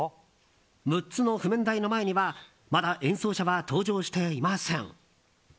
６つの譜面台の前にはまだ演奏者は登場していません。